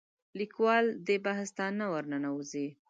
لیکوال دا بحث ته نه ورننوځي